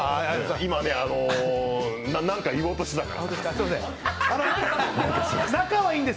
今、何か言おうとしてたから。